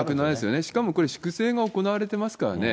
しかもこれ、粛清が行われてますからね。